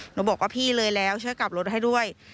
หนูบอกว่าพี่เลยแล้วช่วยกลับรถให้ด้วย